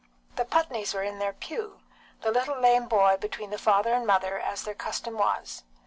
The Putneys were in their pew, the little lame boy between the father and mother, as their custom was.